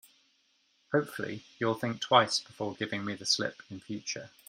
Hopefully, you'll think twice before giving me the slip in future.